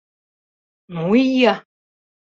Мо ия?!